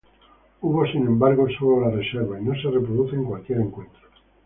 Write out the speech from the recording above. Hubo, sin embargo, sólo la reserva y no se reproduce en cualquier encuentro.